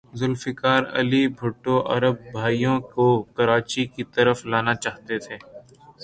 ذوالفقار علی بھٹو عرب بھائیوں کو کراچی کی طرف لانا چاہتے تھے۔